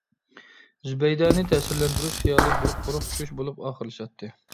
زۇبەيدەنى تەسىرلەندۈرۈش خىيالى بىر قۇرۇق چۈش بولۇپ ئاخىرلىشاتتى.